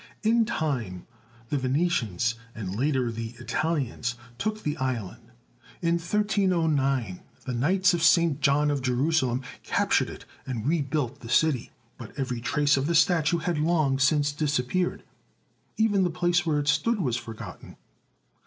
In time the Venetians, and later the Italians, took the island. In 1309 the Knights of St. John of Jerusalem captured it and rebuilt the city, but every trace of the statue had long since disap peared; even the place where it stood was for gotten.